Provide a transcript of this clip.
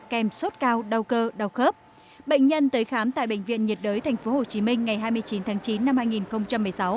kèm sốt cao đau cơ đau khớp bệnh nhân tới khám tại bệnh viện nhiệt đới tp hcm ngày hai mươi chín tháng chín năm hai nghìn một mươi sáu